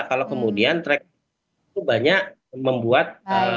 kalau kemudian track itu banyak membuat